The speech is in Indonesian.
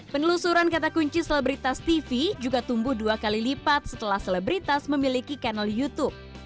penelusuran kata kunci selebritas tv juga tumbuh dua kali lipat setelah selebritas memiliki kanal youtube